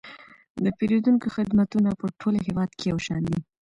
د پیرودونکو خدمتونه په ټول هیواد کې یو شان دي.